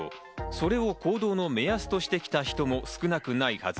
それを行動の目安としてきた人も少なくないはず。